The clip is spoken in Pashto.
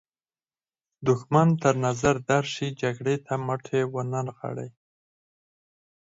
دښمن تر نظر درشي جګړې ته مټې ونه نغاړئ.